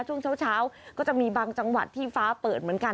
ช่วงเช้าก็จะมีบางจังหวัดที่ฟ้าเปิดเหมือนกัน